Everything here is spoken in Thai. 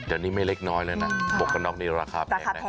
เดี๋ยวนี้ไม่เล็กน้อยแล้วนะหมวกกันน็อกนี้ราคาแพงนะ